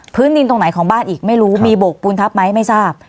ดินตรงไหนของบ้านอีกไม่รู้มีโบกปูนทับไหมไม่ทราบ